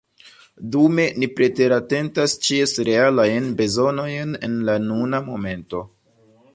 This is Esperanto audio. Dume ni preteratentas ĉies realajn bezonojn en la nuna momento.